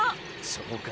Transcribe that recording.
そうか？